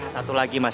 satu lagi mas